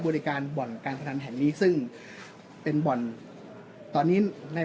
บริการบ่อนการพนันแห่งนี้ซึ่งเป็นบ่อนตอนนี้ใน